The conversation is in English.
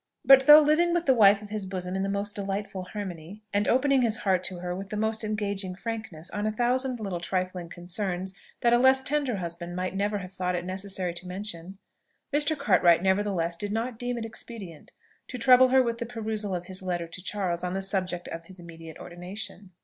But though living with the wife of his bosom in the most delightful harmony, and opening his heart to her with the most engaging frankness on a thousand little trifling concerns that a less tender husband might never have thought it necessary to mention, Mr. Cartwright nevertheless did not deem it expedient to trouble her with the perusal of his letter to Charles on the subject of his immediate ordination.